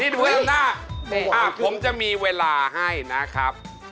เฮ่ยนี่เพื่อนหน้าผมจะมีเวลาให้นะครับ